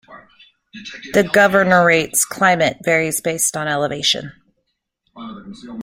The governorate's climate varies based on elevation.